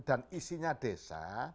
dan isinya desa